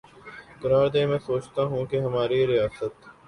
قرار دے میںسوچتاہوں کہ ہماری ریاست